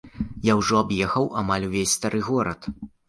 Я ўжо аб'ехаў амаль увесь стары горад.